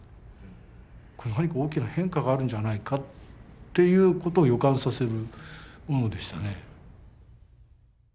何か大きな変化があるんじゃないかっていうことを予感させるものでしたね。